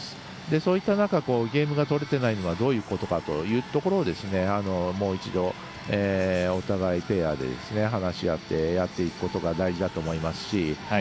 そういった中でゲームが取れていないというのはどういうところなのかというのをもう一度、お互いペアで話し合ってやっていくことが大事だと思いますし。